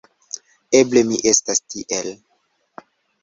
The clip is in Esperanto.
Eble mi estas tiel.